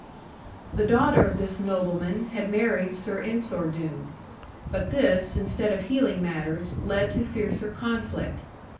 The daughter of this nobleman had married Sir Ensor Doone; but this, instead of healing matters, led to fiercer conflict.